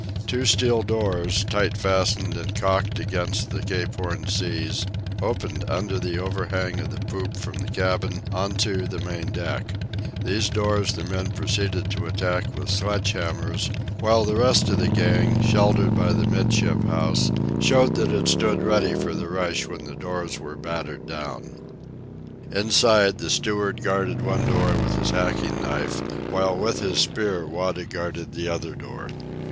Two steel doors, tight fastened and caulked against the Cape Horn seas, opened under the overhang of the poop from the cabin on to the main deck. These doors the men proceeded to attack with sledge hammers, while the rest of the gang, sheltered by the 'midship house, showed that it stood ready for the rush when the doors were battered down. Inside, the steward guarded one door with his hacking knife, while with his spear Wada guarded the other door.